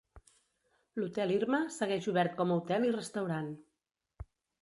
L'Hotel Irma segueix obert com a hotel i restaurant.